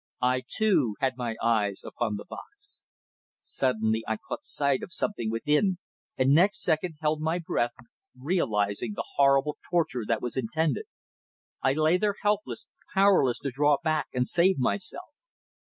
I, too, had my eyes upon the box. Suddenly I caught sight of something within, and next second held my breath, realising the horrible torture that was intended. I lay there helpless, powerless to draw back and save myself.